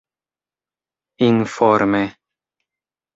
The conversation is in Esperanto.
informe